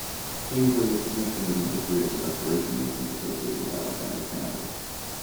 Cheneyville is significant in the history of the Restoration Movement associated with Alexander Campbell.